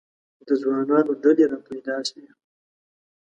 د ځوانانو ډلې را پیدا شوې.